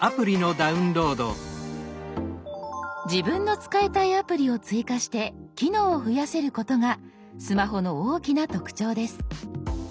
自分の使いたいアプリを追加して機能を増やせることがスマホの大きな特徴です。